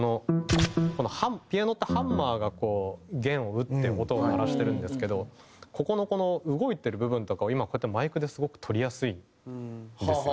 このピアノってハンマーがこう弦を打って音を鳴らしてるんですけどここのこの動いてる部分とかを今こうやってマイクですごくとりやすいんです。